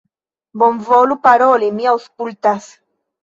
Bonvolu paroli, mi aŭskultas!